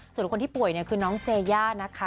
หรือว่าไปเป็นหมอดีหรืออะไรอย่างนี้ค่ะ